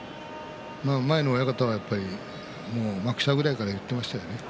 前の親方は幕下ぐらいから言っていましたよね